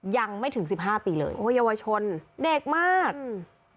ยังไม่ถึงสิบห้าปีเลยโอ้เยาวชนเด็กมากอืม